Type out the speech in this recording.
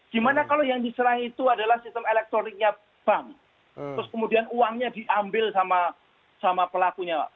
dimana kalau yang diserang itu adalah sistem elektroniknya bank terus kemudian uangnya diambil sama pelakunya